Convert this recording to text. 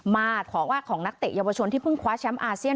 ของว่าของนักเตะเยาวชนที่เพิ่งคว้าแชมป์อาเซียน